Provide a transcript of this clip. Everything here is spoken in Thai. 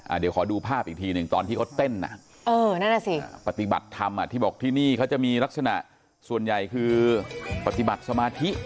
เดี๋ยวขอดูภาพอีกทีหนึ่งตอนที่เขาเต้นอ่ะเออนั่นแหละสิปฏิบัติธรรมอ่ะที่บอกที่นี่เขาจะมีลักษณะส่วนใหญ่คือปฏิบัติสมาธิ